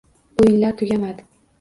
O'yinlar tugamadi